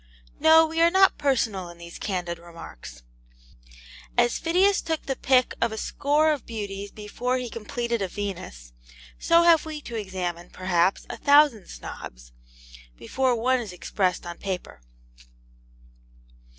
No, we are not personal in these candid remarks. As Phidias took the pick of a score of beauties before he completed a Venus, so have we to examine, perhaps, a thousand Snobs, before one is expressed upon paper.